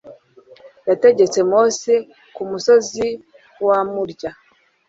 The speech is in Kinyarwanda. yategetse mose ku musozi wamurya